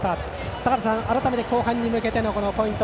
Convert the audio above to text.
坂田さん、改めて後半に向けてのポイント